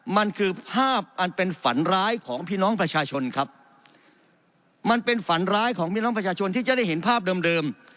มันคือภาพอันเป็นฝันร้ายของพี่น้องประชาชนครับมันเป็นฝันร้ายของพี่น้องประชาชนที่จะได้เห็นภาพเดิมเดิม